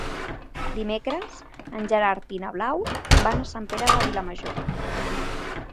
Dimecres en Gerard i na Blau van a Sant Pere de Vilamajor.